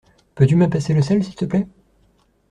Peux-tu me passer le sel s'il te plaît?